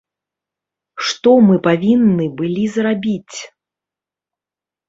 Што мы павінны былі зрабіць?